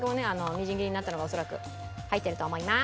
みじん切りになったのが恐らく入ってると思います。